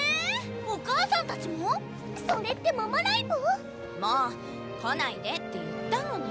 お母さんたちも⁉それってママライブ⁉もう！来ないでって言ったのに。